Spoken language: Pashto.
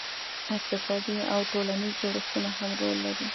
اقتصادي او ټولنیز جوړښتونه هم رول لري.